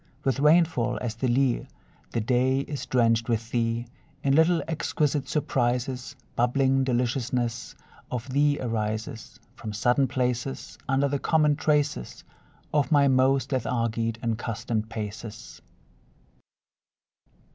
With rainfall as the lea, The day is drenched with thee; In little exquisite surprises Bubbling deliciousness of thee arises From sudden places, Under the common traces Of my most lethargied and customed paces.